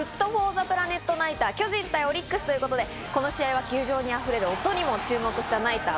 ナイター、巨人対オリックスということで、この試合は球場にあふれる音にも注目したナイター。